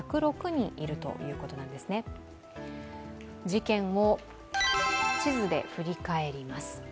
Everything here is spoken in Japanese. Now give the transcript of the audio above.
事件を地図で振り返ります。